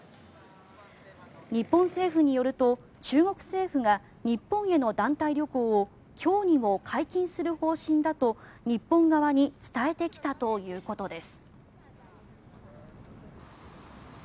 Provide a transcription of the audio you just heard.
日本政府によると中国政府が日本への団体旅行を今日にも解禁する方針だと日本側に伝えてきたということです。